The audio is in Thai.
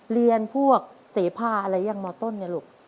เรียนพวกเสพาอะไรยังมต้นเนี่ยลูก